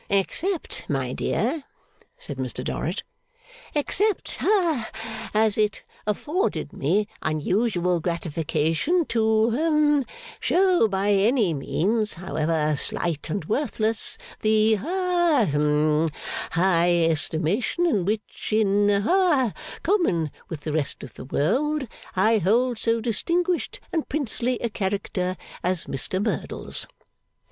'Except, my dear,' said Mr Dorrit, 'except ha as it afforded me unusual gratification to hum show by any means, however slight and worthless, the ha, hum high estimation in which, in ha common with the rest of the world, I hold so distinguished and princely a character as Mr Merdle's.